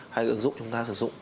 hay ứng dụng chúng ta sử dụng